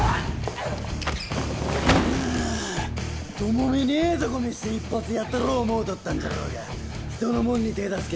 友美にええとこ見して一発やったろう思うとったんじゃろうが人のもんに手ぇ出すけ